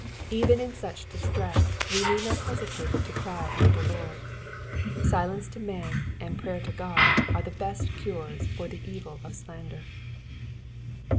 Even in such distress we need not hesitate to cry unto the Lord. Silence to man and prayer to God are the best cures for the evil of slander.